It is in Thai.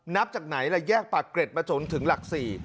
นับจากไหนล่ะแยกปากเกร็ดมาจนถึงหลัก๔